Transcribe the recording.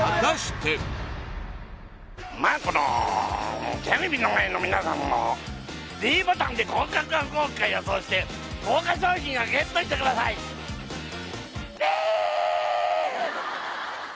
まあこのテレビの前の皆さんもｄボタンで合格か不合格か予想して豪華賞品をＧＥＴしてくださいベーッ！